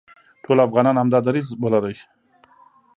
ټول افغانان همدا دریځ ولري،